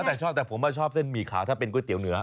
แล้วแต่ชอบแต่ผมก็ชอบเส้นหมี่ขาวถ้าเป็นก๋วยเตี๋ยวเนื้อ